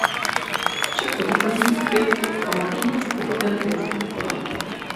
Před potokem pět kop konopí, za potokem pět kop konopí.